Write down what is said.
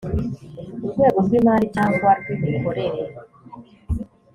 urwego rw imari cyangwa rw imikorere